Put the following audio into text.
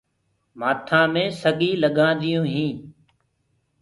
مآٿآ مي سڳيٚ لگانديونٚ هينٚ